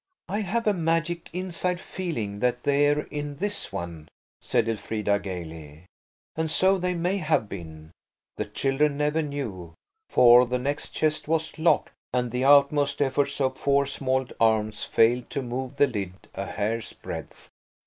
"I have a magic inside feeling that they're in this one," said Elfrida gaily. And so they may have been. The children never knew–for the next chest was locked, and the utmost efforts of four small arms failed to move the lid a hair's breadth.